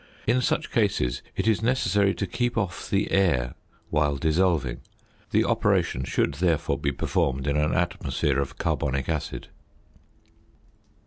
In such cases it is necessary to keep off the air whilst dissolving; the operation should, therefore, be performed in an atmosphere of carbonic acid.